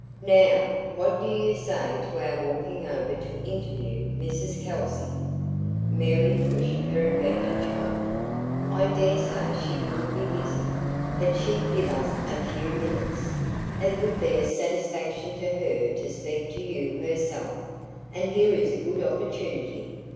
"Now, what do you say to our walking over to interview Mrs Kelsey?" Mary pushed her advantage home. "I daresay she will be busy, but she'd give us a few minutes. It would be a satisfaction to her to speak to you herself, and here is a good opportunity.